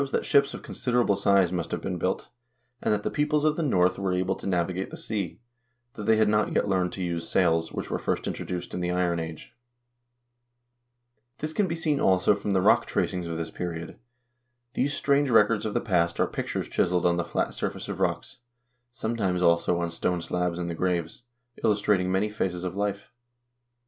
15. — Bronze bowl. that ships of considerable size must have been built, and that the peoples of the North were able to navigate the sea, though they had not yet learned to use sails, which were first introduced in the Iron Age. This can be seen also from the rock tracings of this period. These strange records of the past are pictures chiseled on the flat surface of rocks, sometimes, also, on stone slabs in the graves, illus trating many phases of life.